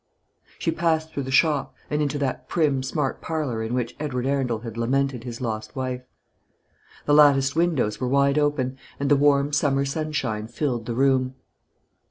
She passed through the shop, and into that prim, smart parlour in which Edward Arundel had lamented his lost wife. The latticed windows were wide open, and the warm summer sunshine filled the room.